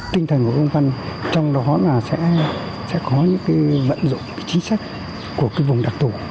kinh thành của vùng văn trong đó sẽ có những vận dụng chính sách của vùng đặc tục